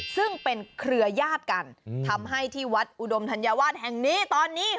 ซึ่งเป็นเครือยาศกันทำให้ที่วัดอุดมธัญวาสแห่งนี้ตอนนี้